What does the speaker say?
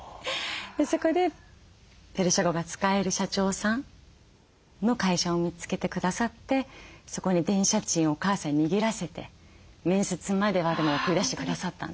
そこでペルシャ語が使える社長さんの会社を見つけてくださってそこに電車賃お母さんに握らせて面接までは送り出してくださったんです。